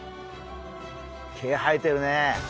毛生えてるねえ。